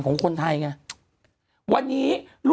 คุณหนุ่มกัญชัยได้เล่าใหญ่ใจความไปสักส่วนใหญ่แล้ว